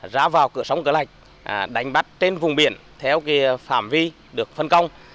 ra vào cửa sóng cửa lạch đánh bắt trên vùng biển theo phạm vi được phân công